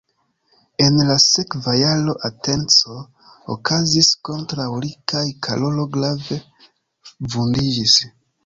En la sekva jaro atenco okazis kontraŭ li kaj Karolo grave vundiĝis.